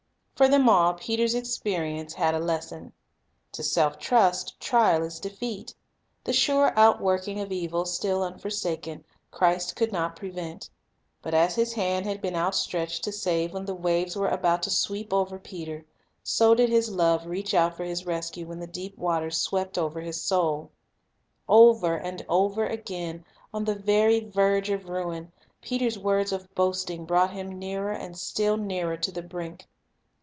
For them all, Peter's experience had a lesson. To self trust, trial is defeat. The sure outworking of evil still unforsaken, Christ could not prevent. But as His hand had been outstretched to save when the waves Rebuke That Reclaims 1 i John 3: 1 3 '' Matt. 16 : 22, margin. An Illustration of His Methods 89 were about to sweep over Peter, so did His love reach out for his rescue when the deep waters swept over his soul. Over and over again, on the very verge of ruin, Peter's words of boasting brought him nearer and still nearer to the brink.